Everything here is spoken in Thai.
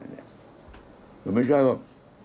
แต่ไม่ใช่แบบ